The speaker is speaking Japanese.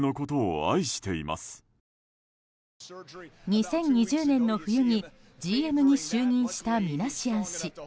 ２０２０年の冬にＧＭに就任したミナシアン氏。